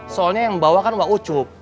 soalnya yang bawa kan enggak ucup